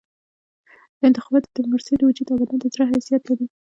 انتخابات د ډیموکراسۍ د وجود او بدن د زړه حیثیت لري.